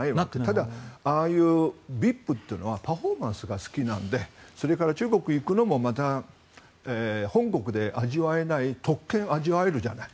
ただ、ああいうＶＩＰというのはパフォーマンスが好きなのでそれから中国行くのもまた本国で味わえない特権を味わえるじゃない。